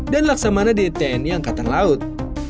dan laksamana di tni angkatan laut